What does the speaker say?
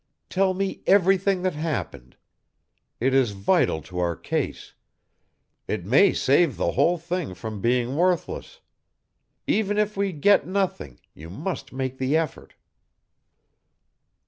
Tell me everything that happened. It is vital to our case; it may save the whole thing from being worthless. Even if we get nothing you must make the effort."